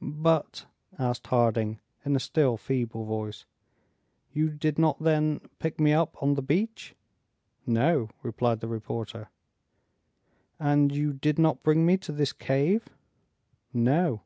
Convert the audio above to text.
"But," asked Harding, in a still feeble voice, "you did not, then, pick me up on the beach?" "No," replied the reporter. "And did you not bring me to this cave?" "No."